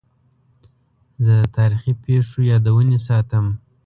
زه د تاریخي پیښو یادونې ساتم.